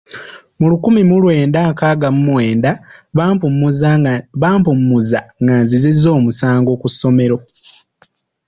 Mu lukumi mu lwenda nkaaga mu mwenda bampummuza nga nzizizza omusango ku ssomero.